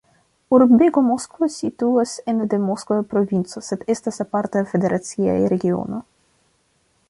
Urbego Moskvo situas ene de Moskva provinco, sed estas aparta federacia regiono.